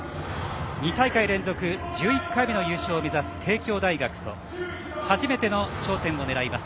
２大会連続、１１回目の優勝を目指す帝京大学と初めての頂点を狙います